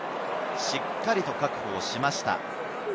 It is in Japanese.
しっかり確保をしました。